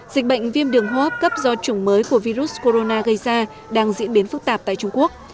dịch bệnh viêm đường hô hấp cấp do chủng mới của virus corona gây ra đang diễn biến phức tạp tại trung quốc